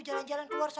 tunggu tunggu tunggu